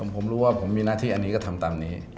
ผมรู้ว่าผมมีหน้าที่อันนี้ก็ทำตามนี้